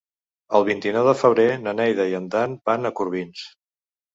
El vint-i-nou de febrer na Neida i en Dan van a Corbins.